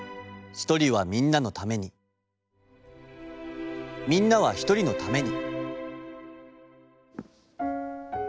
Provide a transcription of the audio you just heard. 「一人はみんなのためにみんなは一人のために」。